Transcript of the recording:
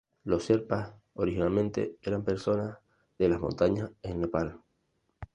Los sherpas, originalmente, eran personas de las montañas en Nepal.